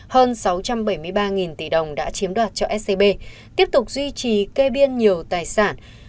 hơn sáu trăm bảy mươi ba tỷ đồng đã chiếm đoạt cho scb tiếp tục duy trì kê biên nhiều tài sản